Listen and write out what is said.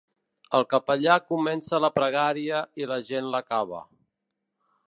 El capellà comença la pregària i la gent l'acaba.